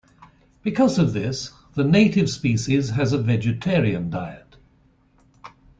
Because of this, the native species has a vegetarian diet.